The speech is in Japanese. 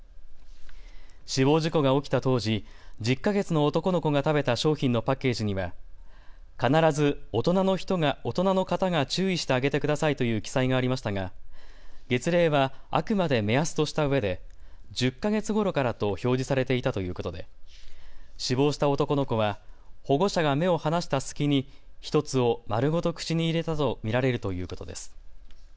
死亡事故が起きた当時、１０か月の男の子が食べた商品のパッケージには必ず大人の方が注意してあげてくださいという記載がありましたが月齢はあくまで目安としたうえで１０か月頃からと表示されていたということで死亡した男の子は保護者が目を離した隙に１つを丸ごと口に入れたと見られるということです。